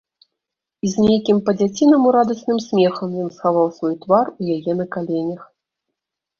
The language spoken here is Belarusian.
І з нейкім па-дзяцінаму радасным смехам ён схаваў свой твар у яе на каленях.